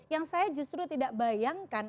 yang saya justru tidak bayangkan